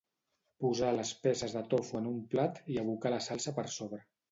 Posar les peces de tofu en un plat i abocar la salsa per sobre.